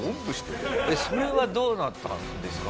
それはどうなったんですか？